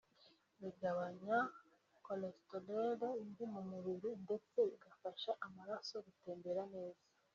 bigabanya cholesterole mbi mu mubiri ndetse bigafasha amaraso gutembera neza